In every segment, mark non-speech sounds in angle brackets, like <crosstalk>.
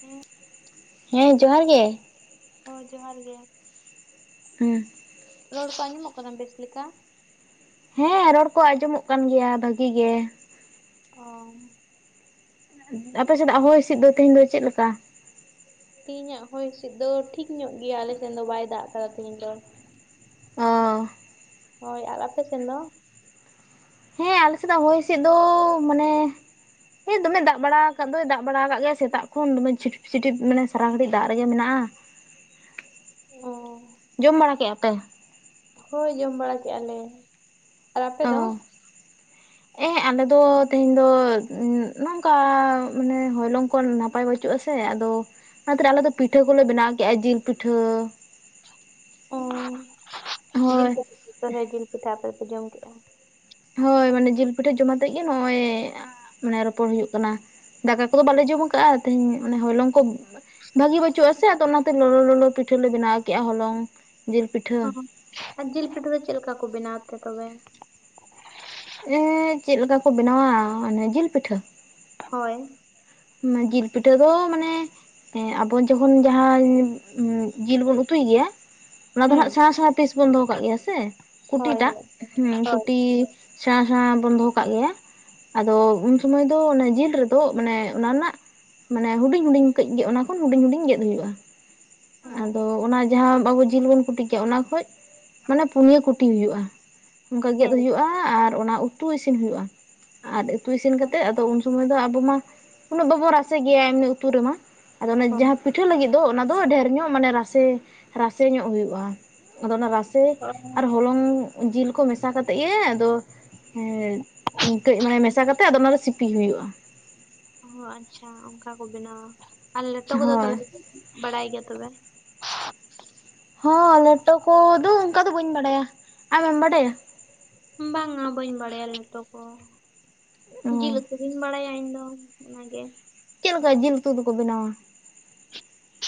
ᱦᱮᱸ ᱦᱮᱸ ᱡᱚᱦᱟᱨ ᱜᱮ᱾ ᱦᱚ ᱡᱚᱦᱟᱨ ᱜᱮ᱾ ᱦᱮᱸ, ᱨᱚᱲ ᱠᱚ ᱟᱡᱚᱢ ᱚᱜ ᱠᱟᱱᱟ ᱵᱮᱥ ᱞᱮᱠᱟ? ᱦᱮᱸ ᱨᱚᱲ ᱠᱚ ᱟᱸᱡᱚᱢᱚᱜ ᱠᱟᱱ ᱜᱮᱭᱟ, ᱵᱷᱟᱹᱜᱤ ᱜᱮ᱾ ᱚ, ᱟᱯᱮ ᱥᱮᱫᱟᱜ ᱦᱚᱭ ᱦᱤᱸᱥᱤᱫ ᱫᱚ, ᱛᱮᱦᱮᱧ ᱫᱚ ᱪᱮᱫ ᱞᱮᱠᱟ? ᱛᱮᱦᱤᱧᱟᱜ ᱦᱚᱭ ᱦᱤᱸᱥᱤᱫ ᱫᱚ ᱴᱷᱤᱠ ᱧᱚᱜ ᱜᱮᱭᱟ, ᱟᱞᱮ ᱥᱮᱫ ᱫᱚ ᱵᱟᱭ ᱫᱟᱜ ᱠᱟᱫᱟ ᱛᱮᱦᱤᱧ ᱫᱚ᱾ ᱚ, ᱦᱳᱭ ᱟᱨ ᱟᱯᱮ ᱥᱮᱱ ᱫᱚ? ᱟᱞᱮᱥᱮᱫᱟᱜ ᱦᱚᱭ ᱦᱤᱥᱤᱫ ᱫᱚ ᱢᱟᱱᱮ ᱦᱮ ᱫᱚᱢᱮ ᱫᱟᱜ ᱵᱟᱲᱟ ᱠᱟᱫ ᱫᱚᱭ, ᱫᱟᱜ ᱵᱟᱲᱟ ᱠᱟᱜ ᱜᱮᱭᱟ ᱥᱮᱛᱟᱜ ᱠᱷᱚᱱ, ᱫᱚᱢᱮ ᱪᱷᱤᱴᱤᱯ ᱪᱷᱤᱴᱤᱯ ᱢᱟᱱᱮ᱾ ᱥᱟᱨᱟ ᱜᱷᱟᱹᱲᱤᱡ ᱫᱟᱜ ᱨᱮᱜᱮ ᱢᱮᱱᱟᱜᱼᱟ, ᱚ ᱡᱚᱢ ᱵᱟᱲᱟ ᱠᱮᱫᱼᱟ ᱯᱮ? ᱦᱳᱭ ᱡᱚᱢ ᱵᱟᱲᱟ ᱠᱮᱫᱼᱟ ᱞᱮ, ᱟᱨ ᱟᱯᱮ ᱫᱚ? ᱻ <inaudible> ᱦᱮᱸ ᱟᱞᱮ ᱫᱚ ᱛᱮᱦᱮᱧ ᱫᱚ ᱱᱚᱝᱠᱟ, ᱢᱟᱱᱮ ᱦᱚᱭᱞᱚᱝ ᱠᱷᱚᱱ ᱱᱟᱯᱟᱭ ᱵᱟᱪᱩᱜ ᱯᱟᱪᱩᱜᱼᱟ ᱥᱮ ᱟᱫᱚ ᱚᱱᱟᱛᱮ ᱟᱞᱮ ᱫᱚ, ᱯᱤᱴᱷᱟᱹ ᱠᱚᱞᱮ ᱵᱮᱱᱟᱣ ᱠᱮᱜᱼᱟ, ᱡᱤᱞ ᱯᱤᱴᱷᱟᱹ᱾ ᱚ, ᱡᱤᱞ ᱦᱳᱭ ᱠᱚ ᱯᱤᱴᱷᱟᱹ ᱨᱮ ᱡᱤᱞ ᱯᱤᱴᱷᱟᱹ ᱟᱯᱮ ᱫᱚᱯᱮ ᱡᱚᱢ ᱠᱮᱫᱼᱟ᱾ ᱦᱚᱭ ᱢᱟᱱᱮ ᱡᱤᱞ ᱯᱤᱴᱷᱟᱹ ᱡᱚᱢ ᱟᱛᱮᱫ ᱜᱮ ᱱᱚᱜᱼᱚᱭ ᱢᱟᱱᱮ ᱨᱚᱯᱚᱲ ᱦᱳᱭᱳᱜ ᱠᱟᱱᱟ, ᱫᱟᱠᱟ ᱠᱚᱫᱚ ᱵᱟᱞᱮ ᱡᱚᱢ ᱟᱠᱟᱟᱜᱼᱟ, ᱛᱮᱦᱤᱧ ᱚᱱᱮ ᱦᱚᱞᱚᱝ ᱠᱚ᱾ ᱵᱷᱟᱜᱤ ᱵᱟᱹᱪᱩᱜ ᱟᱥᱮ, ᱟᱫᱚ ᱚᱱᱟᱛᱮ ᱞᱚᱞ ᱞᱚᱞᱚ ᱯᱤᱴᱷᱟᱹ ᱞᱮ ᱵᱮᱱᱟᱣ ᱠᱮᱫᱼᱟ, ᱦᱚᱞᱚᱝ ᱡᱤᱞ ᱯᱤᱴᱷᱟᱹ᱾ ᱚ, ᱟᱨ ᱡᱤᱞ ᱯᱤᱴᱷᱟᱹ ᱫᱚ ᱪᱮᱫ ᱞᱮᱠᱟ ᱠᱚ ᱵᱮᱱᱟᱣ ᱛᱮ ᱛᱚᱵᱮ? ᱮᱸ ᱪᱮᱫ ᱞᱮᱠᱟ ᱠᱚ ᱵᱮᱱᱟᱣᱟ, ᱚᱱᱮ ᱡᱤᱞ ᱯᱤᱴᱷᱟᱹ᱾ ᱦᱳᱭ᱾ ᱡᱤᱞ ᱯᱤᱴᱷᱟᱹ ᱫᱚ ᱢᱟᱱᱮ ᱦᱮᱸ ᱟᱵᱚ ᱡᱚᱠᱷᱚᱱ ᱡᱟᱦᱟᱸ, ᱡᱤᱞ ᱵᱚᱱ ᱩᱛᱩᱭ ᱜᱮᱭᱟ᱾ ᱚᱱᱟ ᱫᱚ ᱦᱮᱸ ᱦᱟᱜ ᱥᱮᱬᱟ ᱥᱮᱬᱟ ᱯᱤᱥ ᱵᱚᱱ ᱫᱚᱦᱚ ᱠᱟᱜ ᱜᱮᱭᱟ ᱥᱮ ᱦᱳᱭ ᱠᱩᱴᱤᱴᱟᱜ ᱦᱳᱭ ᱦᱩᱸ ᱦᱳᱭ ᱠᱩᱴᱤ ᱥᱮᱬᱟ ᱥᱮᱬᱟ ᱵᱚᱱ ᱫᱚᱦᱚ ᱠᱟᱜ ᱜᱮᱭᱟ ᱟᱫᱚ ᱩᱱ ᱥᱩᱢᱟᱹᱭ ᱫᱚ ᱚᱱᱮ ᱡᱤᱞ ᱨᱮᱫᱚ ᱢᱟᱱᱮ ᱚᱱᱟ ᱨᱮᱱᱟᱜ ᱢᱟᱱᱮ ᱦᱩᱰᱤᱧ ᱦᱩᱰᱤᱧ ᱠᱟᱹᱡ ᱜᱮ ᱚᱱᱟ ᱠᱷᱚᱱ ᱦᱩᱰᱤᱧ ᱦᱩᱰᱤᱧ ᱜᱮᱫ ᱦᱩᱭᱩᱜᱼᱟ᱾ ᱟᱫᱚ ᱚᱱᱟ ᱡᱟᱦᱟᱸ ᱟᱵᱚ ᱡᱤᱞ ᱵᱚᱱ ᱠᱩᱴᱤ ᱠᱮᱜᱼᱟ ᱚᱱᱟ ᱠᱷᱚᱡ ᱢᱟᱱᱮ ᱯᱩᱱᱭᱟᱹ ᱠᱩᱴᱤ ᱦᱩᱭᱩᱜᱼᱟ ᱚᱱᱠᱟ ᱜᱮᱫ ᱦᱮᱸ ᱦᱩᱭᱩᱜᱼᱟ ᱟᱨ ᱚᱱᱟ ᱩᱛᱩ ᱤᱥᱤᱱ ᱦᱩᱭᱩᱜᱼᱟ᱾ ᱟᱨ ᱩᱛᱩ ᱤᱥᱤᱱ ᱠᱟᱛᱮᱫ ᱟᱫᱚ ᱩᱱ ᱥᱚᱢᱚᱭ ᱫᱚ ᱟᱵᱚ ᱢᱟ ᱩᱱᱟᱹᱜ ᱵᱟᱵᱚᱱ ᱨᱟᱥᱮ ᱜᱮᱭᱟ ᱮᱢᱱᱤ ᱩᱛᱩ ᱨᱮᱢᱟ ᱟᱫᱚ ᱚᱱᱟ ᱦᱮᱸ ᱡᱟᱦᱟᱸ ᱯᱤᱴᱷᱟᱹ ᱞᱟᱹᱜᱤᱫ ᱫᱚ ᱚᱱᱟ ᱫᱚ ᱰᱷᱮᱨ ᱧᱚᱜ ᱢᱟᱱᱮ ᱨᱟᱥᱮ ᱨᱟᱥᱮ ᱧᱚᱜ ᱦᱩᱭᱩᱜᱼᱟ ᱟᱫᱚ ᱚᱱᱟ ᱨᱟᱥᱮ ᱟᱨ ᱦᱚᱞᱚᱝ ᱡᱤᱞ ᱠᱚ ᱢᱮᱥᱟ ᱠᱟᱛᱮᱫ ᱜᱮ ᱟᱫᱚ ᱦᱮᱸ ᱠᱟᱹᱡ ᱢᱟᱱᱮ ᱢᱮᱥᱟ ᱠᱟᱛᱮᱜ ᱟᱫᱚ ᱚᱱᱟᱨᱮ ᱥᱤᱯᱤ ᱦᱩᱭᱩᱜᱼᱟ᱾ ᱚᱻ ᱟᱪᱪᱷᱟ ᱚᱱᱠᱟ ᱠᱚ ᱵᱮᱱᱟᱣᱟ ᱟᱨ ᱞᱮᱴᱚ ᱠᱚᱫᱚ ᱦᱳᱭ ᱛᱟᱦᱚᱞᱮ ᱵᱟᱲᱟᱭ ᱜᱮᱭᱟ ᱛᱚᱵᱮ? ᱦᱚᱸ ᱞᱮᱴᱚ ᱠᱚᱫᱚ ᱚᱱᱠᱟ ᱫᱚ ᱵᱟᱹᱧ ᱵᱟᱰᱟᱭᱟ ᱟᱢᱮᱢ ᱵᱟᱰᱟᱭᱟ? ᱵᱟᱝᱟ ᱵᱟᱹᱧ ᱵᱟᱲᱟᱭᱟ ᱞᱮᱴᱚ ᱠᱚ ᱚ ᱡᱤᱞ ᱩᱛᱩ ᱜᱤᱧ ᱵᱟᱲᱟᱭᱟ ᱤᱧᱫᱚ᱾ ᱚᱱᱟ ᱜᱮ᱾ ᱪᱮᱫ ᱞᱮᱠᱟ ᱡᱤᱞ ᱩᱛᱩ ᱫᱚᱠᱚ ᱵᱮᱱᱟᱣᱼᱟ?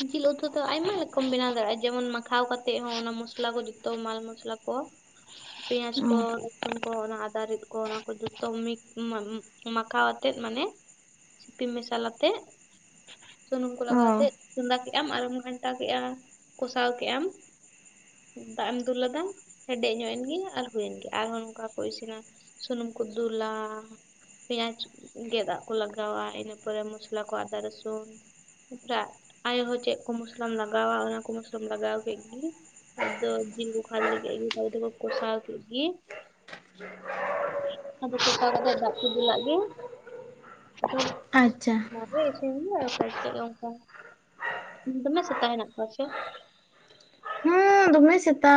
ᱡᱤᱞ ᱩᱛᱩ ᱫᱚ ᱟᱭᱢᱟ ᱨᱚᱠᱚᱢ ᱵᱮᱱᱟᱣ ᱫᱟᱲᱮᱭᱟᱜᱼᱟ ᱡᱮᱢᱚᱱ ᱢᱟᱠᱷᱟᱣ ᱠᱟᱛᱮᱫ ᱦᱚᱸ ᱚᱱᱟ ᱢᱚᱥᱞᱟ ᱠᱚ ᱡᱚᱛᱚ ᱢᱟᱞ ᱢᱚᱥᱞᱟ ᱠᱚ ᱯᱮᱸᱭᱟᱡᱽ ᱚ ᱠᱚ ᱨᱟᱹᱥᱩᱱ ᱠᱚ ᱚᱱᱟ ᱟᱫᱟ ᱨᱤᱫ ᱠᱚ ᱠᱚ ᱡᱚᱛᱚ ᱢᱤᱠ ᱢᱟ ᱢᱟᱠᱷᱟᱣ ᱟᱛᱮᱫ ᱢᱟᱱᱮ ᱥᱤᱯᱤ ᱢᱮᱥᱟᱞ ᱟᱛᱮᱫ ᱥᱩᱱᱩᱢ ᱠᱚ ᱚ ᱞᱟᱜᱟᱣᱟᱛᱮᱫ ᱪᱚᱸᱫᱟ ᱠᱮᱜ ᱟᱢ ᱟᱨᱮᱢ ᱜᱷᱟᱱᱴᱟ ᱠᱮᱜ-ᱟ ᱠᱚᱥᱟᱣ ᱠᱮᱜ-ᱟᱢ᱾ ᱫᱟᱜ ᱮᱢ ᱫᱩᱞᱟᱫᱟ ᱦᱮᱰᱮᱡ ᱧᱚᱜ ᱮᱱᱜᱮ ᱟᱨ ᱦᱩᱭᱮᱱ ᱜᱮ ᱟᱨᱦᱚᱸ ᱱᱚᱝᱠᱟ ᱠᱚ ᱤᱥᱤᱱᱟ᱾ ᱥᱩᱱᱩᱢ ᱠᱩ ᱫᱩᱞᱟ᱾ ᱯᱮᱸᱭᱟᱡᱽ ᱜᱮᱫᱟᱜ ᱟᱜ ᱠᱚ ᱞᱟᱜᱟᱣᱟ ᱤᱱᱟᱹ ᱯᱚᱨᱮ ᱢᱚᱥᱞᱟ ᱠᱚ ᱟᱫᱟ ᱨᱟᱥᱩᱱ᱾ <unintelligible> ᱟᱭᱳ ᱦᱚᱸ ᱪᱮᱜ ᱠᱚ ᱢᱚᱥᱞᱟᱢ ᱞᱟᱜᱟᱣᱟ ᱚᱱᱟ ᱠᱚ ᱢᱚᱥᱞᱟᱢ ᱞᱟᱜᱟᱣ ᱠᱮᱜ ᱜᱮ᱾ ᱟᱫᱚ ᱡᱤᱞ ᱠᱚ ᱠᱷᱟᱹᱞᱤ ᱜᱮ <unintelligible> ᱠᱳᱥᱟᱣ ᱠᱮᱜ ᱜᱮ᱾ ᱟᱫᱚ ᱠᱚᱥᱟᱣ ᱠᱟᱛᱮᱫ ᱫᱟᱜ ᱠᱚ ᱫᱩᱞᱟᱜ ᱜᱮ ᱟᱫᱚ ᱟᱪᱪᱷᱟ᱾ ᱨᱮᱥᱤᱧ ᱫᱚ ᱚᱠᱚᱭ ᱪᱚ <unintelligible> ᱫᱚᱢᱮ ᱥᱮᱛᱟ ᱦᱮᱱᱟᱜ ᱠᱚᱣᱟ ᱥᱮ? ᱦᱮᱸ ᱫᱚᱢᱮ ᱥᱮᱛᱟ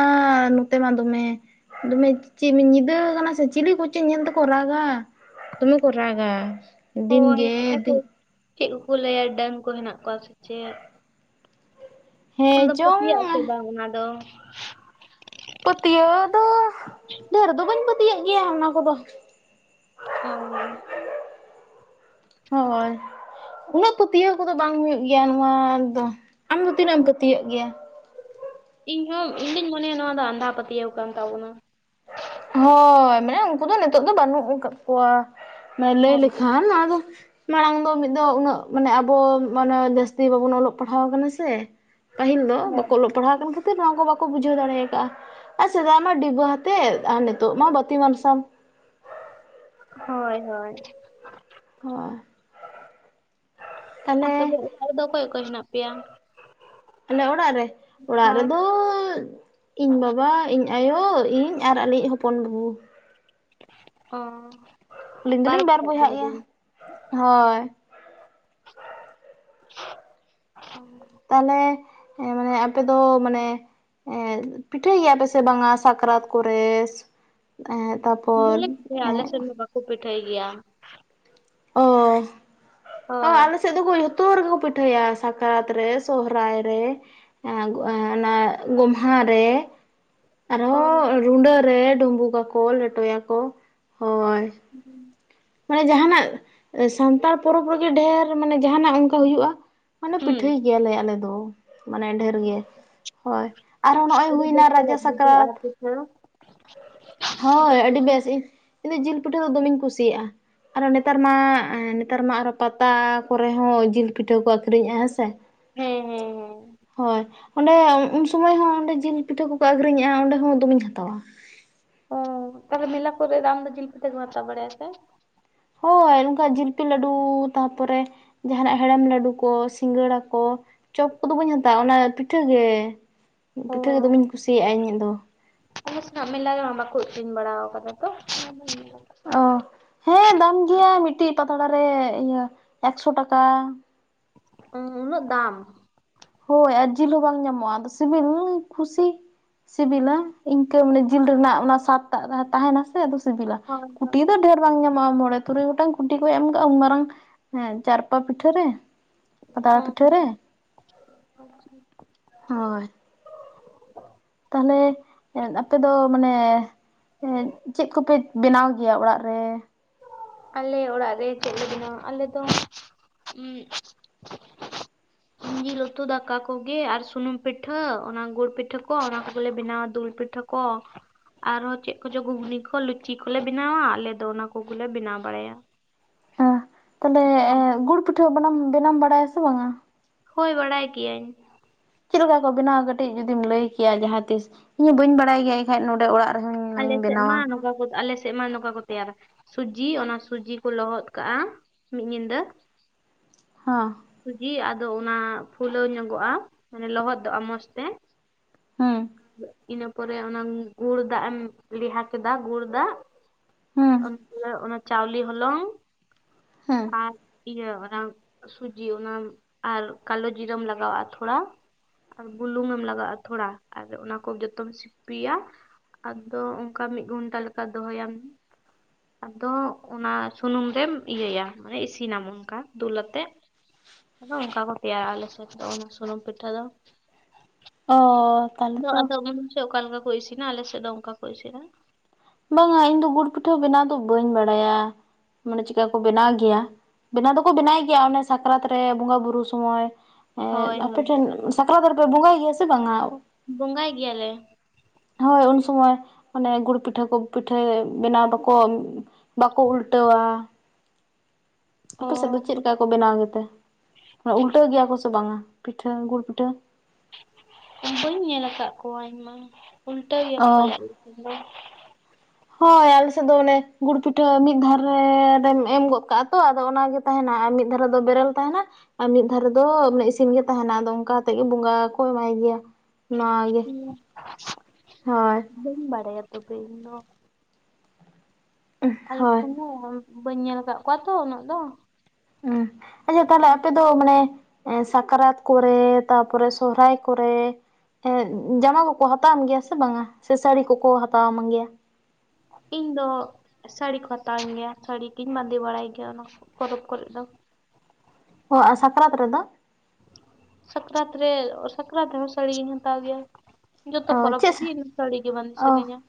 ᱱᱚᱛᱮ ᱢᱟ ᱫᱚᱢᱮ ᱫᱚᱢᱮ ᱪᱮᱫ ᱧᱤᱫᱟᱹ ᱠᱟᱱᱟ ᱥᱮ ᱪᱤᱞᱤ ᱠᱚ ᱪᱮᱫ ᱧᱮᱞ ᱛᱮᱠᱚ ᱨᱟᱜᱟ? ᱫᱚᱢᱮ ᱠᱚ ᱨᱟᱜᱟ ᱫᱤᱱ ᱦᱳᱭ ᱜᱮ ᱟᱞᱮ ᱫᱤ ᱠᱚ ᱪᱮᱫ ᱠᱚᱠᱚ ᱞᱟᱹᱭᱟ ᱰᱟᱹᱱ ᱠᱚ ᱢᱮᱱᱟᱜ ᱠᱚᱣᱟ ᱥᱮ ᱪᱮᱫ? ᱦᱮᱸ ᱟᱢᱫᱚᱢ ᱪᱚᱝ ᱯᱟᱹᱛᱭᱟᱹᱜ ᱟᱥᱮ ᱵᱟᱝ ᱚᱱᱟ ᱫᱚ? ᱯᱟᱹᱛᱭᱟᱹᱣ ᱫᱚ ᱰᱷᱮᱨ ᱫᱚ ᱵᱟᱹᱧ ᱯᱟᱹᱛᱭᱟᱹᱜ ᱜᱮᱭᱟ ᱚᱱᱟ ᱠᱚᱫᱚ᱾ ᱚᱻ ᱦᱚᱭ᱾ ᱩᱱᱟᱹᱜ ᱯᱟᱹᱛᱭᱟᱹᱣ ᱠᱚᱫᱚ ᱵᱟᱝ ᱦᱩᱭᱩᱜ ᱜᱮᱭᱟ ᱱᱚᱣᱟ ᱫᱚ ᱟᱢ ᱫᱚ ᱛᱤᱱᱟᱹᱜ ᱮᱢ ᱯᱟᱹᱛᱭᱟᱹᱜ ᱜᱮᱭᱟ? ᱤᱧ ᱦᱚᱸ ᱤᱧᱫᱩᱧ ᱢᱚᱱᱮᱭᱟ ᱱᱚᱣᱟ ᱫᱚ ᱟᱸᱫᱷᱟ ᱯᱟᱹᱛᱭᱟᱹᱣ ᱠᱟᱱ ᱛᱟᱵᱚᱱᱟ᱾ ᱦᱚᱭ ᱢᱟᱱᱮ ᱩᱝᱠᱩ ᱫᱚ ᱱᱤᱛᱚᱜ ᱫᱚ ᱵᱟᱹᱱᱩᱜ ᱠᱟᱫ ᱠᱚᱣᱟ ᱢᱟᱱᱮ ᱞᱟᱹᱭ ᱦᱳᱭ ᱞᱮᱠᱷᱟᱱ ᱟᱫᱚ ᱢᱟᱲᱟᱝ ᱫᱚ ᱢᱤᱫ ᱫᱚ ᱩᱱᱟᱹᱜ ᱢᱟᱱᱮ ᱟᱵᱚ ᱢᱟᱱᱮ ᱡᱟᱹᱥᱛᱤ ᱵᱟᱵᱚᱱ ᱚᱞᱚᱜ ᱯᱟᱲᱦᱟᱣ ᱠᱟᱱᱟ ᱥᱮ ᱯᱟᱹᱦᱤᱞ ᱫᱚ ᱦᱳᱭ ᱵᱟᱠᱚ ᱚᱞᱚᱜ ᱯᱟᱲᱦᱟᱣ ᱠᱟᱱ ᱠᱷᱟᱹᱛᱤᱨ ᱱᱚᱣᱟ ᱠᱚ ᱵᱟᱠᱚ ᱵᱩᱡᱷᱟᱹᱣ ᱫᱟᱲᱮ ᱠᱟᱜ-ᱟ ᱟᱨ ᱥᱮᱫᱟᱭ ᱢᱟ ᱰᱤᱵᱟᱹ ᱦᱟᱛᱮᱫ ᱟᱨ ᱱᱤᱛᱚᱜ ᱢᱟ ᱵᱟᱛᱤ ᱢᱟᱨᱥᱟᱞ᱾ ᱦᱚᱭ ᱦᱚᱭ᱾ ᱦᱚ᱾ ᱟᱯᱮ ᱫᱚ ᱚᱲᱟᱜ ᱨᱮᱫᱚ ᱚᱠᱚᱭ ᱚᱠᱚᱭ ᱦᱮᱱᱟᱜ ᱯᱮᱭᱟ? ᱟᱞᱮ ᱚᱲᱟᱜ ᱨᱮ, ᱚᱲᱟᱜ ᱦᱳᱭ ᱨᱮᱫᱚ ᱤᱧ ᱵᱟᱵᱟ, ᱤᱧ ᱟᱭᱳ, ᱤᱧ ᱟᱨ ᱟᱞᱤᱭᱤᱡ ᱦᱚᱯᱚᱱ ᱵᱩᱵᱩ᱾ ᱚ᱾ ᱟᱹᱞᱤᱧ ᱫᱚᱞᱤᱧ ᱵᱟᱨ ᱵᱚᱭᱦᱟᱜ ᱜᱮᱭᱟ, ᱦᱚᱭ᱾ <inaudible> ᱛᱟᱞᱦᱮ ᱮᱸ ᱢᱟᱱᱮ ᱟᱯᱮ ᱫᱚ ᱢᱟᱱᱮ ᱮᱸᱜ ᱯᱤᱴᱷᱟᱹᱭ ᱜᱮᱭᱟ ᱯᱮ ᱥᱮ ᱵᱟᱝᱟ ᱥᱟᱠᱨᱟᱛ ᱠᱚᱨᱮ? ᱮᱸᱜ ᱛᱟᱯᱚᱨ ᱮᱸᱜ ᱠᱩ ᱯᱤᱴᱷᱟᱹᱭ ᱜᱮᱭᱟ᱾ ᱚ, ᱚ ᱦᱳᱭ ᱟᱞᱮ ᱥᱮ ᱥᱮᱫ ᱫᱚᱠᱚ ᱡᱷᱚᱛᱚ ᱨᱮᱜᱮ ᱠᱚ ᱯᱤᱴᱷᱟᱹᱭᱟ ᱥᱟᱠᱨᱟᱛ ᱨᱮ ᱥᱚᱦᱨᱟᱭ ᱨᱮ ᱮᱸᱜ ᱮᱸ ᱚᱱᱟ ᱜᱚᱢᱦᱟ ᱨᱮ᱾ ᱚ ᱟᱨᱦᱚᱸ ᱨᱩᱸᱰᱟᱹ ᱨᱮ ᱰᱩᱵᱩᱜᱟᱠᱚ ᱞᱮᱴᱚᱭᱟᱠᱚ ᱦᱚᱭ᱾ <inaudible> ᱢᱟᱱᱮ ᱡᱟᱦᱟᱱᱟᱜ ᱮ ᱥᱟᱱᱛᱟᱲ ᱯᱚᱨᱚᱵᱽ ᱨᱮᱜᱮ ᱰᱷᱮᱨ ᱢᱟᱱᱮ ᱡᱟᱦᱟᱱᱟᱜ ᱚᱝᱠᱟ ᱦᱩᱭᱩᱜ-ᱟ᱾ ᱢᱟᱱᱮ ᱦᱩᱸ ᱯᱤᱴᱷᱟᱹᱭ ᱜᱮᱭᱟᱞᱮ ᱟᱞᱮ ᱫᱚ, ᱢᱟᱱᱮ ᱰᱷᱮᱨ ᱜᱮ᱾ ᱦᱚᱭ ᱟᱨᱦᱚᱸ ᱱᱚᱜ-ᱚᱭ ᱟᱹᱰᱤ ᱦᱩᱭᱱᱟ ᱵᱮᱥ ᱨᱟᱡᱟ ᱯᱟᱞᱮᱫ ᱥᱟᱠᱨᱟᱛ᱾ ᱵᱩᱡᱷᱟᱹᱜᱼᱟ ᱯᱤᱴᱷᱟᱹ ᱦᱳᱭ ᱡᱤᱞ ᱟᱹᱰᱤ ᱯᱤᱴᱷᱟᱹ? ᱵᱮᱥ, ᱤ ᱤᱧᱫᱚ ᱡᱤᱞ ᱯᱤᱴᱷᱟᱹ ᱫᱚ ᱫᱚᱢᱤᱧ ᱠᱩᱥᱤᱭᱟᱜ-ᱟ᱾ ᱟᱨᱚ ᱱᱮᱛᱟᱨ ᱢᱟ ᱮᱸ ᱱᱮᱛᱟᱨ ᱢᱟ ᱟᱨᱚ ᱯᱟᱛᱟ ᱠᱚᱨᱮ ᱦᱚᱸ ᱡᱤᱞ ᱯᱤᱴᱷᱟᱹ ᱠᱚ ᱟᱹᱠᱷᱨᱤᱧᱮᱜ-ᱟ ᱦᱮᱸ ᱥᱮ᱾ ᱦᱮᱸ ᱦᱮᱸ ᱦᱮᱸ ᱦᱳᱭ᱾ ᱚᱸᱰᱮ ᱩᱱ ᱥᱩᱢᱟᱹᱭ ᱦᱚᱸ ᱚᱸᱰᱮ ᱡᱤᱞ ᱯᱤᱴᱷᱟᱹ ᱠᱚᱠᱚ ᱟᱹᱠᱷᱨᱤᱧᱮᱜ-ᱟ ᱚᱸᱰᱮ ᱦᱚᱸ ᱫᱚᱢᱤᱧ ᱦᱟᱛᱟᱣᱟ᱾ ᱚ ᱛᱟᱞᱦᱮ ᱢᱮᱞᱟ ᱠᱚᱨᱮᱜ ᱫᱚ ᱟᱢᱫᱚ ᱡᱤᱞ ᱯᱤᱴᱷᱟᱹ ᱠᱚᱢ ᱦᱟᱛᱟᱣ ᱵᱟᱲᱟᱭᱟ ᱥᱮ? ᱦᱳᱭ ᱚᱱᱠᱟ ᱡᱤᱞᱯᱤ ᱞᱟᱹᱰᱩ ᱛᱟᱯᱚᱨᱮ ᱡᱟᱦᱱᱟᱜ ᱦᱮᱲᱮᱢ ᱞᱟᱹᱰᱩ ᱠᱚ ᱥᱤᱸᱜᱟᱹᱲᱟ ᱠᱚ᱾ ᱪᱚᱯ ᱠᱚᱫᱚ ᱵᱟᱹᱧ ᱦᱟᱛᱟᱣᱟ ᱚᱱᱟ ᱯᱤᱴᱷᱟᱹ ᱜᱮ, ᱚ ᱯᱤᱴᱷᱟᱹ ᱜᱮ ᱫᱚᱢᱤᱧ ᱠᱩᱥᱤᱭᱟᱜᱼᱟ ᱤᱧᱟᱹᱜ ᱫᱚ᱾ ᱟᱞᱮ ᱥᱮᱱᱟᱜ ᱢᱮᱞᱟ ᱨᱮᱢᱟ ᱵᱟᱠᱚ ᱟᱠᱷᱨᱤᱧ ᱵᱟᱲᱟᱣ ᱠᱟᱫᱟ ᱛᱚ <inaudible> ᱚ, ᱦᱮᱸ ᱫᱟᱢ ᱜᱮᱭᱟ ᱢᱤᱫᱴᱤᱡ ᱯᱟᱛᱲᱟ ᱨᱮ ᱤᱭᱟᱹ ᱮᱠᱥᱚ ᱴᱟᱠᱟ᱾ ᱩ ᱩᱱᱟᱹᱜ ᱫᱟᱢ᱾ ᱦᱳᱭ ᱟᱨ ᱡᱤᱞ ᱦᱚᱸ ᱵᱟᱝ ᱧᱟᱢᱚᱜᱼᱟ ᱟᱫᱚ ᱥᱤᱵᱤᱞ ᱠᱩᱥᱤ ᱥᱤᱵᱤᱞᱟ ᱤᱱᱠᱟᱹ ᱢᱟᱱᱮ ᱡᱤᱞ ᱨᱮᱱᱟᱜ ᱚᱱᱟ ᱥᱟᱫᱴᱟᱜ ᱛᱟᱦᱮᱱᱟ ᱥᱮ ᱟᱫᱚ ᱥᱤᱵᱤᱞᱟ ᱦᱳᱭ ᱠᱩᱴᱤ ᱦᱳᱭ ᱫᱚ ᱰᱷᱮᱨ ᱵᱟᱝ ᱧᱟᱢᱚᱜᱼᱟ ᱢᱚᱬᱮ ᱛᱩᱨᱩᱭ ᱜᱚᱴᱟᱝ ᱠᱩᱴᱤ ᱠᱚ ᱮᱢ ᱠᱟᱜᱼᱟ ᱩᱱ ᱢᱟᱨᱟᱝ ᱮᱸ ᱪᱟᱨᱯᱟ ᱯᱤᱴᱷᱟᱹ ᱨᱮ᱾ ᱯᱟᱛᱲᱟ ᱦᱩᱸ ᱯᱤᱴᱟᱹ ᱨᱮ᱾ <inaudible> ᱦᱳᱭ᱾ ᱛᱟᱦᱚᱞᱮ ᱮᱸᱫ ᱟᱯᱮ ᱫᱚ ᱢᱟᱱᱮ ᱪᱮᱫ ᱠᱚᱯᱮ ᱵᱮᱱᱟᱣ ᱜᱮᱭᱟ ᱚᱲᱟᱜ ᱨᱮ? ᱟᱞᱮ ᱚᱲᱟᱜ ᱨᱮ ᱪᱮᱫ ᱞᱮ ᱵᱮᱱᱟᱣᱟ ᱟᱞᱮ ᱫᱚ <inaudible> ᱡᱤᱞ ᱩᱛᱩ ᱫᱟᱠᱟ ᱠᱚᱜᱮ ᱟᱨ ᱥᱩᱱᱩᱢ ᱯᱤᱴᱷᱟᱹ ᱚᱱᱟ ᱜᱩᱲ ᱯᱤᱴᱷᱟᱹ ᱠᱚ ᱚᱱᱟ ᱠᱚᱜᱮᱞᱮ ᱵᱮᱱᱟᱣᱟ ᱫᱩᱞ ᱯᱤᱴᱷᱟᱹ ᱠᱚ ᱟᱨᱦᱚᱸ ᱪᱮᱫ ᱠᱚᱪᱚ ᱜᱷᱩᱜᱽᱱᱤ ᱠᱚ, ᱞᱩᱪᱤ ᱠᱚᱞᱮ ᱵᱮᱱᱟᱣᱟ ᱟᱞᱮ ᱫᱚ ᱚᱱᱟ ᱠᱚᱜᱮᱞᱮ ᱵᱮᱱᱟᱣ ᱵᱟᱲᱟᱭᱟ᱾ ᱛᱟᱞᱦᱮ ᱜᱩᱲ ᱯᱤᱴᱷᱟᱹ ᱵᱚᱱᱟᱢ ᱵᱮᱱᱟᱣᱮᱢ ᱵᱟᱲᱟᱭᱟ ᱥᱮ ᱵᱟᱝᱼᱟ? ᱦᱳᱭ ᱵᱟᱲᱟᱭ ᱜᱤᱭᱟᱹᱧ᱾ ᱪᱮᱫ ᱞᱮᱠᱟ ᱠᱚ ᱵᱮᱱᱟᱣᱟ ᱠᱟᱹᱴᱤᱡ ᱡᱩᱫᱤᱢ ᱞᱟᱹᱭ ᱠᱮᱭᱟ ᱡᱟᱦᱟᱸ ᱛᱤᱥ ᱤᱧ ᱦᱚᱸ ᱵᱟᱹᱧ ᱵᱟᱲᱟᱭ ᱜᱮᱭᱟ ᱮᱠᱟᱱᱡ ᱱᱚᱸᱰᱮ ᱚᱲᱟᱜ ᱨᱮᱦᱚᱧ ᱟᱞᱮ ᱢᱟᱧ ᱥᱮᱫ ᱢᱟ ᱵᱮᱱᱟᱣᱟ ᱱᱚ ᱱᱚᱠᱟ ᱠᱚ, ᱟᱞᱮ ᱥᱮᱫ ᱢᱟ ᱱᱚᱝᱠᱟ ᱠᱚ ᱛᱮᱭᱟᱨᱟ ᱥᱩᱡᱤ ᱚᱱᱟ ᱥᱩᱡᱤ ᱠᱚ ᱞᱚᱦᱚᱫ ᱠᱟᱜ-ᱟ ᱢᱤᱫ ᱧᱤᱫᱟᱹ᱾ ᱦᱚᱸ᱾ ᱥᱩᱡᱤ ᱟᱫᱚ ᱚᱱᱟ ᱯᱷᱩᱞᱟᱹᱣ ᱧᱚᱜᱚᱜ-ᱟ ᱢᱟᱱᱮ ᱞᱚᱦᱚᱫᱚᱜ-ᱟ ᱢᱚᱸᱡᱽ ᱛᱮ᱾ ᱦᱩᱸ ᱤᱱᱟᱹ ᱯᱚᱨᱮ ᱚᱱᱟ ᱜᱩᱲ ᱫᱟᱜ-ᱮᱢ ᱞᱮᱣᱦᱟ ᱠᱮᱫᱟ ᱜᱩᱲ ᱫᱟᱜ᱾ ᱦᱩᱸ ᱟᱱᱛᱮ ᱚᱱᱟ ᱪᱟᱣᱞᱮ ᱦᱚᱞᱚᱝ᱾ ᱦᱮᱸ᱾ ᱟᱨ ᱤᱭᱟᱹ ᱚᱱᱟ ᱥᱩᱡᱤ ᱚᱱᱟ ᱟᱨ ᱠᱟᱞᱳ ᱡᱤᱨᱟᱹᱢ ᱞᱟᱜᱟᱣᱟᱜ-ᱟ ᱛᱷᱚᱲᱟ᱾ ᱟᱨ ᱵᱩᱞᱩᱝᱮᱢ ᱞᱟᱜᱟᱣᱟᱜ-ᱟ ᱛᱷᱚᱲᱟ, ᱟᱨ ᱚᱱᱟ ᱠᱚ ᱡᱚᱛᱚᱢ ᱥᱤᱯᱤᱭᱟ᱾ ᱟᱫᱚ ᱚᱝᱠᱟ ᱢᱤᱫ ᱜᱷᱚᱱᱴᱟ ᱞᱮᱠᱟ ᱫᱚᱦᱚᱭᱟᱢ᱾ ᱟᱫᱚ ᱚᱱᱟ ᱥᱩᱱᱩᱢ ᱨᱮᱢ ᱤᱭᱟᱹᱭᱟ ᱢᱟᱱᱮ ᱤᱥᱤᱱᱟᱢ ᱚᱱᱠᱟ ᱫᱩᱞᱟᱛᱮᱜ᱾ <inaudible> ᱟᱫᱚ ᱚᱱᱠᱟ ᱠᱚ ᱛᱮᱭᱟᱨᱟ ᱟᱞᱮ ᱥᱮᱫ ᱫᱚ ᱚᱱᱟ ᱥᱩᱱᱩᱢ ᱯᱤᱴᱷᱟᱹ ᱫᱚ᱾ ᱚᱻ ᱵᱟ ᱟᱫᱚ ᱩᱱ ᱥᱮᱫ ᱚᱠᱟ ᱞᱮᱠᱟ ᱠᱚ ᱤᱥᱤᱱᱟ? ᱟᱯᱮ ᱥᱮᱫ ᱫᱚ ᱚᱝᱠᱟ ᱠᱚ ᱤᱥᱤᱱᱟ᱾ ᱵᱟᱝᱟ ᱤᱧ ᱫᱚ ᱜᱩᱲ ᱯᱤᱴᱷᱟᱹ ᱵᱮᱱᱟᱣ ᱫᱚ ᱵᱟᱹᱧ ᱵᱟᱲᱟᱭᱟ ᱢᱟᱱᱮ ᱪᱮᱫᱠᱟ ᱠᱚ ᱵᱮᱱᱟᱣ ᱜᱮᱭᱟ? ᱵᱮᱱᱟᱣ ᱫᱚᱠᱚ ᱵᱮᱱᱟᱣ ᱜᱮᱭᱟ ᱚᱱᱮ ᱥᱟᱠᱨᱟᱛ ᱨᱮ ᱵᱚᱸᱜᱟ ᱵᱩᱨᱩ ᱥᱚᱢᱚᱭ᱾ ᱮᱸᱫ ᱦᱳᱭ ᱦᱳᱭ ᱟᱯᱮᱴᱷᱮᱱ ᱥᱟᱠᱨᱟᱛ ᱨᱮᱯᱮ ᱵᱚᱸᱜᱟᱭ ᱜᱮᱭᱟ ᱥᱮ ᱵᱟᱝᱟ? ᱵᱚᱸᱜᱟᱭ ᱜᱮᱭᱟᱞᱮ᱾ ᱦᱳᱭ ᱩᱱᱥᱩᱢᱚᱭ ᱢᱟᱱᱮ ᱜᱩᱲ ᱯᱤᱴ ᱯᱤᱴᱷᱟᱹ ᱠᱚ ᱯᱤᱴᱷᱟᱹ ᱵᱮᱱᱟᱣ ᱫᱠᱚ ᱵᱟᱠᱚ ᱩᱞᱴᱟᱹᱣᱟ᱾ ᱚ ᱟᱯᱮᱥᱮᱫ ᱫᱚ ᱪᱮᱫ ᱞᱮᱠᱟ ᱠᱚ ᱵᱮᱱᱟᱣ ᱜᱮᱛᱮ, ᱢᱟᱱᱮ ᱩᱞᱴᱟᱹᱣ ᱜᱮᱭᱟ ᱠᱚ ᱥᱮ ᱵᱟᱝᱟ ᱯᱤᱴᱷᱟᱹ ᱜᱩᱲ ᱯᱤᱴᱷᱟᱹ? ᱵᱟᱹᱧ ᱧᱮᱞ ᱟᱠᱟᱫ ᱠᱚᱣᱟ ᱤᱧᱢᱟ, ᱩᱞᱴᱟᱹᱣ ᱜᱮᱭᱟᱠᱚ ᱚ ᱯᱟᱞᱮᱫ ᱟᱞᱮ ᱥᱮᱱ ᱫᱚ᱾ <inaudible> ᱦᱳᱭ, ᱟᱞᱮᱥᱮᱫ ᱫᱚ ᱚᱱᱮ ᱜᱩᱲ ᱯᱤᱴᱷᱟᱹ ᱢᱤᱫ ᱫᱷᱟᱨ ᱨᱮ ᱨᱮᱢ ᱮᱢ ᱜᱚᱫ ᱠᱟᱜ-ᱟ ᱛᱚ ᱟᱫᱚ ᱚᱱᱟᱜᱮ ᱛᱟᱦᱮᱱᱟ ᱟᱨ ᱢᱤᱫ ᱫᱷᱟᱨᱮ ᱫᱚ ᱵᱮᱨᱮᱞ ᱛᱟᱦᱮᱱᱟ᱾ ᱟᱨ ᱢᱤᱫ ᱫᱷᱟᱨᱮ ᱫᱚ ᱚᱱᱟ ᱤᱥᱤᱱ ᱜᱮ ᱛᱟᱦᱮᱱᱟ ᱟᱫᱚ ᱚᱱᱠᱟ ᱠᱟᱛᱮᱫ ᱜᱮ ᱵᱚᱸᱜᱟ ᱠᱚ ᱮᱢᱟᱭ ᱜᱮᱭᱟ᱾ ᱱᱚᱣᱟ ᱜᱮ ᱦᱩᱸ᱾ ᱦᱳᱭ᱾ ᱵᱟᱹᱧ ᱵᱟᱲᱟᱭᱟ ᱛᱚᱵᱮ ᱤᱧ ᱫᱚ᱾ ᱟᱞᱮ ᱦᱳᱭ ᱴᱷᱮᱱ ᱫᱚ ᱵᱟᱹᱧ ᱧᱮᱞ ᱠᱟᱜ ᱠᱚᱣᱟ ᱛᱚ ᱩᱱᱟᱹᱜ ᱫᱚ᱾ ᱦᱩᱸ, ᱟᱫᱚ ᱛᱟᱦᱞᱮ ᱟᱯᱮ ᱫᱚ ᱢᱟᱱᱮ ᱥᱟᱠᱨᱟᱛ ᱠᱚᱨᱮ ᱛᱟᱯᱚᱨᱮ ᱥᱚᱦᱨᱟᱭ ᱠᱚᱨᱮ ᱮᱸᱫ ᱡᱟᱢᱟ ᱠᱚᱠᱚ ᱦᱟᱛᱟᱣᱟᱢ ᱜᱮᱭᱟ ᱥᱮ ᱵᱟᱝᱟ ᱥᱮ ᱥᱟᱹᱲᱤ ᱠᱚᱠᱚ ᱦᱟᱛᱟᱣᱟᱢ ᱜᱮᱭᱟ? ᱤᱧ ᱫᱚ ᱥᱟᱹᱲᱤ ᱠᱚ ᱦᱟᱛᱟᱣᱮᱧ ᱜᱮᱭᱟ ᱥᱟᱹᱲᱤᱜᱤᱧ ᱵᱟᱸᱫᱮ ᱵᱟᱲᱟᱭ ᱜᱮᱭᱟ ᱚᱱᱟ ᱯᱚᱨᱚᱵᱽ ᱠᱚᱨᱮᱫ ᱫᱚ᱾ ᱦᱮᱸ ᱟᱨ ᱥᱟᱠᱨᱟᱛ ᱨᱮᱫᱚ? ᱥᱟᱠᱨᱟᱛ ᱨᱮ, ᱥᱟᱠᱨᱟᱛ ᱨᱮᱦᱚᱸ ᱥᱟᱹᱲᱤ ᱜᱤᱧ ᱦᱟᱛᱟᱣ ᱜᱮᱭᱟ᱾ ᱡᱚᱛᱚ ᱚ ᱯᱚᱨᱚᱵᱽ ᱪᱮᱫ ᱨᱮᱜᱮ ᱤᱧ ᱥᱟᱹᱲᱤ ᱜᱮ ᱵᱟᱸᱫᱮ ᱚ ᱥᱟᱱᱟᱧᱟ ᱾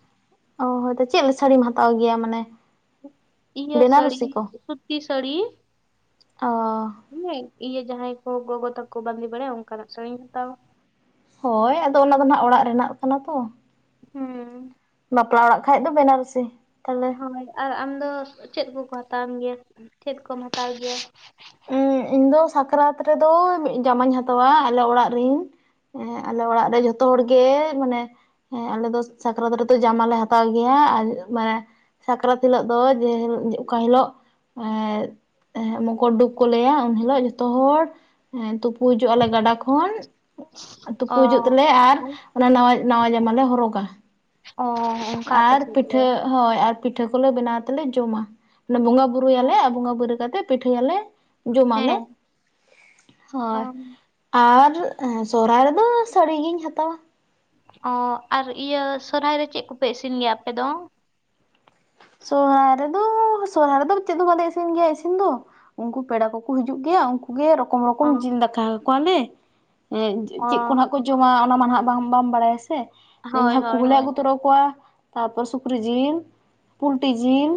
ᱚ, ᱦᱚᱭᱛᱚ ᱪᱮᱫ ᱥᱟᱹᱲᱤᱢ ᱦᱟᱛᱟᱣ ᱜᱮᱭᱟ ᱢᱟᱱᱮ? ᱤᱭᱟᱹ ᱥᱟᱹᱲᱤ, ᱵᱮᱱᱟᱨᱚᱥᱤ ᱠᱚ ᱥᱩᱛᱤ ᱥᱟᱹᱲᱤ᱾ ᱚ ᱦᱮᱸ ᱤᱭᱟᱹ ᱡᱟᱦᱟᱸᱭ ᱠᱚ ᱜᱚᱜᱚ ᱛᱟᱠᱚ ᱵᱟᱸᱫᱮ ᱵᱟᱲᱟᱭᱟ ᱚᱝᱠᱟᱱᱟᱜ ᱥᱟᱹᱲᱤᱧ ᱦᱟᱛᱟᱣᱟ᱾ ᱦᱳᱭ ᱟᱫᱚ ᱚᱱᱟ ᱫᱚ ᱱᱟᱦᱟᱜ ᱚᱲᱟᱜ ᱨᱮᱱᱟᱜ ᱠᱟᱱᱟ ᱛᱚ᱾ ᱦᱩᱸᱻ ᱵᱟᱯᱞᱟ ᱚᱲᱟᱜ ᱠᱷᱟᱡ ᱫᱚ ᱵᱮᱱᱟᱨᱚᱤ᱾ ᱦᱳᱭ ᱟᱨ ᱟᱢᱫᱚ ᱪᱮᱫ ᱠᱚᱠᱚ ᱦᱟᱛᱟᱣᱟᱢ ᱜᱮᱭᱟ, ᱪᱮᱫ ᱠᱚᱢ ᱦᱟᱛᱟᱣ ᱜᱮᱭᱟ? ᱤᱧ ᱫᱚ ᱥᱟᱠᱨᱟᱛ ᱨᱮᱫᱚ ᱢᱤᱫ ᱡᱟᱢᱟᱧ ᱦᱟᱛᱟᱣᱟ ᱟᱞᱮ ᱚᱲᱟᱜ ᱨᱤᱧ ᱦᱮᱸ ᱟᱞᱮ ᱚᱲᱟᱜ ᱨᱮ ᱡᱷᱚᱛᱚ ᱦᱚᱲ ᱜᱮ ᱢᱟᱱᱮ ᱦᱮᱸ ᱟᱞᱮ ᱫᱚ ᱥᱟᱠᱨᱟᱛ ᱨᱮᱫᱚ ᱡᱟᱢᱟᱞᱮ ᱦᱟᱛᱟᱣ ᱜᱮᱭᱟ ᱟᱨ ᱢᱟᱱᱮ ᱥᱟᱠᱨᱟᱛ ᱦᱤᱞᱳᱜ ᱫᱚ ᱡᱮ ᱚᱠᱟ ᱦᱤᱞᱳᱜ ᱮᱻ ᱢᱚᱠᱚᱨᱰᱩᱵ ᱠᱚ ᱞᱟᱹᱭᱟ ᱩᱱ ᱦᱤᱞᱳᱜ ᱡᱷᱚᱛᱚ ᱦᱚᱲ ᱛᱩᱯᱩ ᱦᱤᱡᱩᱜ ᱟᱞᱮ ᱜᱟᱰᱟ ᱠᱷᱚᱱ᱾ ᱛᱩᱯᱩ ᱚ ᱦᱤᱡᱩᱜ ᱛᱮᱞᱮ ᱟᱨ ᱚᱱᱟ ᱱᱟᱣᱟ ᱱᱟᱣᱟ ᱡᱟᱢᱟ ᱞᱮ ᱦᱚᱨᱚᱜ-ᱟ᱾ ᱚᱻ ᱚᱱᱠᱟ ᱟᱯᱮ ᱥᱮᱫ ᱫᱚ? ᱦᱚᱭ ᱟᱨ ᱯᱤᱴᱷᱟᱹ ᱠᱚᱞᱮ ᱵᱮᱱᱟᱣ ᱛᱮᱞᱮ ᱡᱚᱢᱟ᱾ ᱵᱚᱸᱜᱟ ᱵᱩᱨᱩᱭᱟᱞᱮ ᱟᱨ ᱵᱚᱸᱜᱟ ᱵᱩᱨᱩ ᱠᱟᱛᱮᱫ ᱯᱤᱴᱷᱟᱹᱭᱟᱞᱮ᱾ ᱡᱚᱢᱟᱞᱮ ᱦᱮᱸ ᱦᱳᱭ᱾ ᱟᱢ ᱟᱨ ᱥᱚᱦᱨᱟᱭ ᱨᱮᱫᱚ ᱥᱟᱹᱲᱤ ᱜᱤᱧ ᱦᱟᱛᱟᱣᱟ᱾ ᱚᱻ ᱟᱨ ᱤᱭᱟᱹ ᱥᱚᱨᱦᱟᱭ ᱨᱮ ᱪᱮᱫ ᱠᱚᱯᱮ ᱤᱥᱤᱱ ᱜᱮᱭᱟ ᱟᱯᱮ ᱫᱚ? ᱥᱚᱦᱨᱟᱭ ᱨᱮᱫᱚ ᱥᱚᱦᱨᱟᱭ ᱨᱮᱫᱚ ᱪᱮᱫ ᱦᱚ ᱵᱟᱞᱮ ᱤᱥᱤᱱ ᱜᱮᱭᱟ ᱤᱥᱤᱱ ᱫᱚ᱾ ᱩᱱᱠᱩ ᱯᱮᱲᱟ ᱠᱚᱠᱚ ᱦᱤᱡᱩᱜ ᱜᱮᱭᱟ ᱩᱱᱠᱩ ᱠᱩᱜᱮ ᱨᱚᱠᱚᱢ ᱨᱚᱠᱚᱢ ᱚ ᱡᱤᱞ ᱫᱟᱠᱟ ᱟᱠᱚᱣᱟᱞᱮ ᱚ ᱪᱮᱫ ᱠᱚ ᱱᱟᱜ ᱠᱚ ᱠᱚ ᱡᱚᱢᱟ ᱚᱱᱟ ᱢᱟ ᱦᱟᱜ ᱵᱟᱝ ᱵᱟᱢ ᱵᱟᱲᱟᱭᱟ ᱥᱮ ᱦᱳᱭ ᱦᱟᱠᱩ ᱦᱳᱭ ᱦᱚᱞᱮ ᱦᱳᱭ ᱟᱹᱜᱩ ᱛᱚᱨᱟ ᱠᱚᱣᱟ ᱛᱟᱨᱯᱚᱨ ᱥᱩᱠᱨᱤ ᱡᱤᱞ, ᱯᱩᱞᱴᱤ ᱡᱤᱞ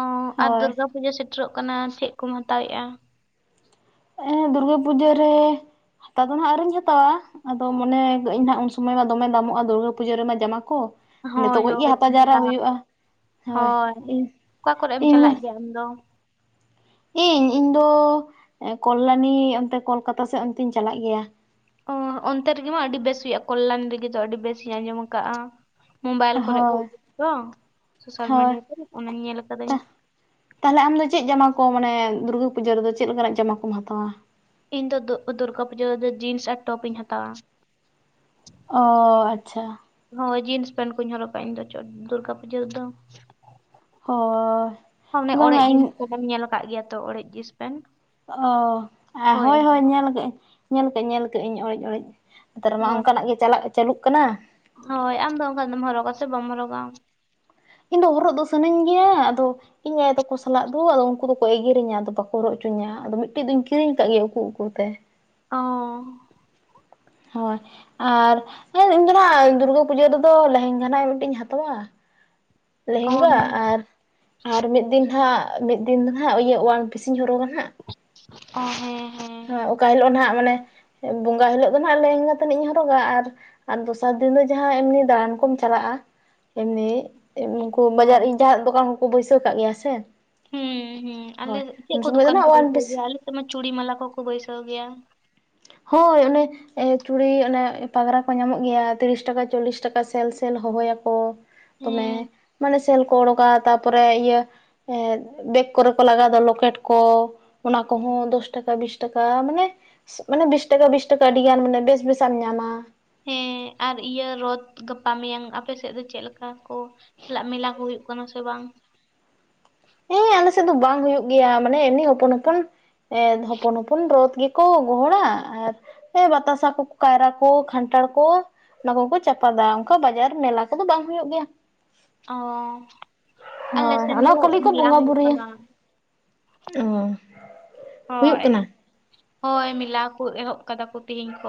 ᱚᱻ ᱟᱨ ᱦᱳᱭ᱾ ᱫᱩᱨᱜᱟ ᱯᱩᱡᱟᱹ ᱥᱮᱴᱮᱨᱚᱜ ᱠᱟᱱᱟ ᱪᱮᱫ ᱠᱚᱢ ᱦᱟᱛᱟᱣᱮᱫᱼᱟ? ᱮᱻ ᱫᱩᱨᱜᱟᱹ ᱯᱩᱡᱟᱹ ᱨᱮ ᱦᱟᱛᱟᱣ ᱫᱚ ᱦᱟᱜ ᱟᱣᱨᱤᱧ ᱦᱟᱛᱟᱣᱟ᱾ ᱟᱫᱚ ᱢᱚᱱᱮ ᱠᱟᱹᱜᱟᱹᱧ ᱦᱟᱸᱜ ᱩᱱ ᱥᱚᱢᱚᱭ ᱢᱟ ᱫᱚᱢᱮ ᱫᱟᱢᱚᱜᱼᱟ ᱫᱩᱨᱜᱟᱹ ᱯᱩᱡᱟᱹ ᱨᱮᱢᱟ ᱡᱟᱢᱟ ᱠᱚ᱾ ᱦᱳᱭ ᱱᱤᱛᱚᱜ ᱠᱷᱚᱡ ᱜᱮ ᱦᱳᱭ ᱦᱟᱛᱟᱣ ᱫᱚᱢᱮ ᱡᱟᱣᱨᱟ ᱫᱟᱢ ᱦᱩᱭᱩᱜᱼᱟ᱾ ᱦᱳᱭ ᱚᱠᱟ ᱠᱚᱨᱮ ᱮᱢ ᱤᱧ ᱪᱟᱞᱟᱜ ᱜᱮᱭᱟ ᱟᱢᱫᱚ? ᱤᱧ, ᱤᱧ ᱫᱚ ᱠᱚᱞᱞᱟᱱᱤ ᱚᱱᱛᱮ ᱠᱳᱞᱠᱟᱛᱟ ᱥᱮᱫ ᱚᱱᱛᱮᱧ ᱪᱟᱞᱟᱜ ᱜᱮᱭᱟ᱾ ᱚᱻ ᱚᱱᱛᱮ ᱨᱮᱜᱮ ᱢᱟ ᱟᱹᱰᱤ ᱵᱮᱥ ᱦᱩᱭᱩᱜᱼᱟ ᱠᱚᱞᱞᱟᱱᱤ ᱨᱮᱜᱮ ᱫᱚ ᱟᱹᱰᱤ ᱵᱮᱥ ᱤᱧ ᱟᱸᱡᱚᱢ ᱠᱟᱜᱼᱟ᱾ ᱢᱳᱵᱟᱭᱤᱞ ᱠᱚᱨᱮ ᱠᱚ ᱦᱳᱭ ᱩᱫᱩᱜ ᱫᱚ ᱥᱳᱥᱟᱞ ᱦᱳᱭ ᱢᱤᱰᱤᱭᱟ ᱠᱚᱨᱮ ᱚᱱᱟᱧ ᱧᱮᱞ ᱠᱟᱫᱟᱹᱧ᱾ ᱛᱟᱦᱞᱮ ᱟᱢᱫᱚ ᱪᱮᱫ ᱡᱟᱢᱟ ᱠᱚ ᱢᱟᱱᱮ ᱫᱩᱨᱜᱟᱹ ᱯᱩᱡᱟᱹ ᱨᱮᱫᱚ ᱪᱮᱫ ᱞᱮᱠᱟᱱᱟᱜ ᱡᱟᱢᱟ ᱠᱚᱢ ᱦᱟᱛᱟᱣᱟ? ᱤᱧ ᱫᱚ ᱫᱩᱨᱜᱟ ᱯᱩᱡᱟᱹ ᱨᱮᱫᱚ ᱡᱤᱱᱥ ᱟᱨ ᱴᱚᱯ ᱤᱧ ᱦᱟᱛᱟᱣᱟ᱾ ᱚᱻ ᱟᱪᱪᱷᱟ᱾ ᱦᱳᱭ ᱡᱤᱱᱥ ᱯᱮᱱᱴ ᱠᱚᱧ ᱦᱚᱨᱚᱜᱼᱟ ᱤᱧ ᱫᱚ ᱪᱚ ᱫᱩᱨᱜᱟ ᱯᱩᱡᱟᱹ ᱨᱮᱫᱚ᱾ ᱦᱳᱭ ᱚᱱᱮ ᱵᱟᱝᱟ ᱚᱲᱮᱡ ᱡᱤᱱᱥ ᱤᱧ ᱯᱮᱱᱴ ᱧᱮᱞ ᱠᱟᱜ ᱜᱮᱭᱟ ᱛᱚ ᱚᱲᱮᱡ ᱡᱤᱱᱥ ᱯᱮᱱᱴ? ᱚᱻ ᱦᱳᱭ ᱦᱳᱭ ᱧᱮᱞ ᱠᱟᱜ ᱟᱹᱧ ᱧᱮᱞ ᱠᱟᱜ ᱟᱹᱧ ᱧᱮᱞ ᱠᱟᱜ ᱟᱹᱧ ᱚᱲᱮᱡ ᱚᱲᱮᱡ ᱱᱮᱛᱟᱨ ᱢᱟ ᱦᱳᱭ ᱚᱱᱠᱟᱱᱟᱜ ᱜᱮ ᱪᱟᱞᱟᱜ ᱪᱟᱹᱞᱩᱜ ᱠᱟᱱᱟ᱾ ᱦᱳᱭ ᱟᱢ ᱫᱚ ᱚᱱᱠᱟ ᱱᱟᱜ ᱫᱚᱢ ᱦᱚᱨᱚᱜᱟ ᱥᱮ ᱵᱟᱢ ᱦᱚᱨᱚᱜᱟ? ᱤᱧ ᱫᱚ ᱦᱚᱨᱚᱜ ᱫᱚ ᱥᱟᱱᱟᱧ ᱜᱮᱭᱟ ᱟᱫᱚ ᱤᱧ ᱟᱭᱳ ᱛᱟᱠᱚ ᱥᱟᱞᱟᱜ ᱫᱩ ᱟᱫᱚ ᱩᱱᱠᱩ ᱫᱚᱠᱚ ᱮᱜᱮᱨᱤᱧᱟ, ᱟᱫᱚ ᱵᱟᱠᱚ ᱦᱚᱨᱚᱜ ᱦᱚᱪᱚᱧᱟ ᱟᱫᱚ ᱢᱤᱫᱴᱮᱡ ᱫᱚᱧ ᱠᱤᱨᱤᱧ ᱠᱟᱜ ᱜᱮᱭᱟ ᱩᱠᱩ ᱩᱠᱩ ᱛᱮ ᱾ ᱚᱻ ᱦᱳᱭ ᱟᱨ ᱤᱧᱫᱚ ᱱᱟᱜ ᱫᱩᱨᱜᱟᱹ ᱯᱩᱡᱟᱹ ᱨᱮᱫᱚ ᱞᱮᱦᱮᱝᱜᱟ ᱱᱟᱜ ᱢᱤᱫᱴᱤᱡ ᱤᱧ ᱦᱟᱛᱟᱣᱟ ᱾ ᱚ ᱞᱮᱦᱮᱝᱜᱟ ᱱᱮ- ᱟᱨ, ᱟᱨ ᱢᱤᱫ ᱫᱤᱱ ᱦᱟᱸᱜ ᱢᱤᱫ ᱫᱤᱱ ᱫᱚ ᱱᱟᱦᱟᱜ ᱤᱭᱟᱹ ᱳᱣᱟᱱ ᱯᱤᱥᱤᱧ ᱦᱚᱨᱚᱜᱟ ᱱᱟᱦᱟᱜ ᱾ ᱚᱻ ᱦᱮᱸ ᱦᱮᱸ ᱾ ᱚᱠᱟ ᱦᱤᱞᱳᱜ ᱱᱟᱦᱟᱜ ᱢᱟᱱᱮ ᱵᱚᱸᱜᱟ ᱦᱤᱞᱳᱜ ᱫᱚ ᱱᱟᱜ ᱞᱮᱦᱮᱝᱜᱟ ᱛᱟᱱᱟᱜ ᱤᱧ ᱦᱚᱨᱚᱜᱟ ᱟᱨ ᱟᱨ ᱫᱚᱥᱟᱨ ᱫᱤᱱ ᱫᱚ ᱡᱟᱦᱟᱸ ᱮᱢᱱᱤ ᱫᱟᱬᱟᱱ ᱠᱚᱢ ᱪᱟᱞᱟᱜᱼᱟ᱾ ᱮᱢᱱᱤ ᱩᱱᱠᱩ ᱵᱟᱡᱟᱨ ᱦᱳᱭ ᱤᱧ ᱡᱟᱦᱟᱸ ᱫᱚᱠᱟᱱ ᱦᱚᱸᱠᱚ ᱵᱟᱹᱭᱥᱟᱹᱣ ᱠᱟᱜ ᱜᱮᱭᱟ ᱥᱮ ᱾ ᱦᱮᱸ ᱦᱮᱸ, ᱟᱞᱮ ᱪᱮᱫ ᱠᱚ ᱫᱚ ᱫᱚᱠᱟᱱ ᱱᱟᱦᱟᱜ ᱠᱚ ᱚᱣᱟᱱ ᱵᱟᱹᱭᱥᱟᱹᱣ ᱯᱤᱥ ᱜᱮᱭᱟ ᱟᱞᱮ ᱥᱮᱫ ᱢᱟ ᱪᱩᱲᱤ ᱢᱟᱞᱟ ᱠᱚᱠᱚ ᱵᱟᱹᱭᱥᱟᱹᱣ ᱜᱮᱭᱟ ᱾ ᱦᱳᱭ, ᱚᱱᱮ ᱮᱻ ᱪᱩᱲᱤ ᱚᱱᱟ ᱯᱟᱜᱽᱨᱟ ᱠᱚ ᱧᱟᱢᱚᱜ ᱜᱮᱭᱟ, ᱛᱤᱨᱤᱥ ᱴᱟᱠᱟ ᱪᱚᱞᱞᱤᱥ ᱴᱟᱠᱟ ᱥᱮᱞᱼ ᱥᱮᱞ ᱦᱚᱦᱚᱭᱟᱠᱚ ᱾ ᱫᱚᱢᱮ ᱦᱮᱸ ᱢᱟᱱᱮ ᱥᱮᱞ ᱠᱚ ᱚᱰᱠᱟ ᱾ ᱛᱟᱨᱯᱚᱨᱮ ᱤᱭᱟᱹ ᱮᱫ ᱵᱮᱜᱽ ᱠᱚᱨᱮ ᱠᱚ ᱞᱟᱜᱟᱣ ᱫᱚ ᱞᱚᱠᱮᱴ ᱠᱚ ᱾ ᱚᱱᱟ ᱠᱚᱦᱚᱸ ᱫᱚᱥ ᱴᱟᱠᱟ ᱵᱤᱥ ᱴᱟᱠᱟ, ᱢᱟᱱᱮ ᱢᱟᱱᱮ ᱵᱤᱥ ᱴᱟᱠᱟ ᱵᱤᱥ ᱴᱟᱠᱟ ᱟᱹᱰᱤ ᱜᱟᱱ ᱢᱟᱱᱮ ᱵᱮᱥ ᱵᱮᱥ ᱟᱜ ᱮᱢ ᱧᱟᱢᱟ ᱾ ᱦᱮᱸ ᱟᱨ ᱤᱭᱟᱹ ᱨᱚᱛ ᱜᱟᱯᱟ ᱢᱮᱭᱟᱝ ᱟᱯᱮ ᱥᱮᱫ ᱫᱚ ᱪᱮᱫ ᱞᱮᱠᱟ ᱠᱚ ᱠᱷᱮᱞᱟᱜ ᱢᱮᱞᱟ ᱠᱚ ᱦᱩᱭᱩᱜ ᱠᱟᱱᱟ ᱥᱮ ᱵᱟᱝ? ᱦᱮᱸ ᱟᱞᱮ ᱥᱮᱫ ᱫᱚ ᱵᱟᱝ ᱦᱩᱭᱩᱜ ᱜᱮᱭᱟ ᱾ ᱢᱟᱱᱮ ᱮᱢᱱᱤ ᱦᱚᱯᱚᱱ ᱦᱚᱯᱚᱱ ᱮ ᱦᱚᱯᱚᱱ ᱦᱚᱯᱚᱱ ᱨᱚᱛ ᱜᱮ ᱠᱚ ᱜᱚᱦᱚᱲᱟ ᱟᱨ ᱵᱟᱛᱟᱥᱟ ᱠᱚ ᱠᱟᱭᱨᱟ ᱠᱚ ᱠᱷᱟᱱᱴᱷᱟᱲ ᱠᱚ ᱚᱱᱟ ᱠᱚᱠᱚ ᱪᱟᱯᱟᱫᱟ ᱚᱱᱠᱟ ᱵᱟᱡᱟᱨ ᱢᱮᱞᱟ ᱠᱚᱫᱚ ᱵᱟᱝ ᱦᱩᱭᱩᱜ ᱜᱮᱭᱟ ᱾ ᱚ, <inaudible> ᱟᱞᱮ ᱦᱳᱭ ᱥᱮᱱ ᱫᱚ ᱚᱱᱟ ᱠᱷᱟᱹᱞᱤ ᱠᱚ ᱢᱮᱞᱟ ᱵᱚᱸᱜᱟ ᱦᱩᱭᱩᱜ ᱵᱩᱨᱩᱭᱟ ᱠᱟᱱᱟ ᱾ ᱚ <inaudible> ᱦᱩᱭᱩᱜ ᱦᱳᱭ ᱠᱟᱱᱟ ᱾ ᱦᱳᱭ ᱢᱮᱞᱟ ᱠᱚ ᱮᱦᱚᱵ ᱟᱠᱟᱫᱟ ᱠᱚ ᱛᱤᱦᱤᱧ ᱠᱷᱚᱡ ᱾